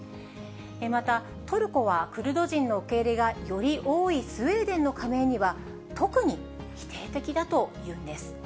またトルコはクルド人の受け入れがより多いスウェーデンの加盟には、特に否定的だというんです。